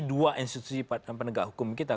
dua institusi penegak hukum kita